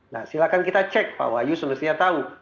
nah silahkan kita cek pak wahyu semestinya tahu